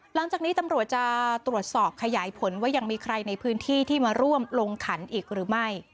หลังจากนี้ตำรวจจะตรวจสอบขยายผลว่ายังมีใครในพื้นที่ที่มาร่วมลงขันอีกหรือไม่